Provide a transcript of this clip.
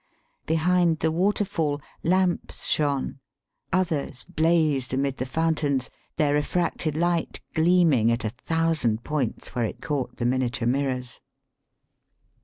Behind the waterfall lamps shone. Others blazed amid the fountains, their refracted light gleaming at a thousand points where it caught the miniature mirrors.